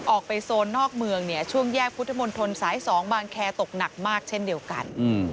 ออกไปโซนนอกเมืองเนี่ยช่วงแยกพุทธมณฑลสาย๒บางแคตกหนักมากเช่นเดียวกัน